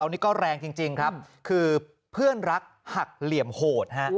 อันนี้ก็แรงจริงครับคือเพื่อนรักหักเหลี่ยมโหดฮะ